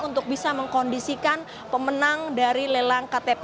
untuk bisa mengkondisikan pemenang dari lelang ktp